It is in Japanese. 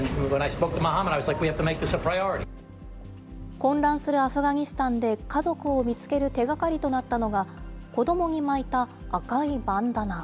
混乱するアフガニスタンで家族を見つける手がかりとなったのが、子どもに巻いた赤いバンダナ。